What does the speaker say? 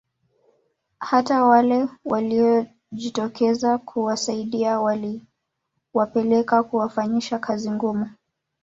Hata wale waliojitokeza kuwasaidia waliwapeleka kuwafanyisha kazi ngumu